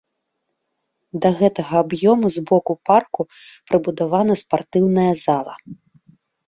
Да гэтага аб'ёму з боку парку прыбудавана спартыўная зала.